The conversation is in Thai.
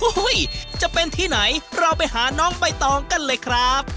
จะเป็นที่ไหนเราไปหาน้องใบตองกันเลยครับ